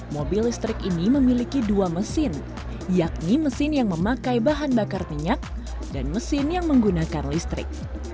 mobil listrik ini memiliki dua mesin yakni mesin yang memakai bahan bakar minyak dan mesin yang menggunakan listrik